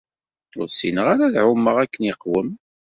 Ur ssineɣ ara ad ɛumeɣ akken iqwem.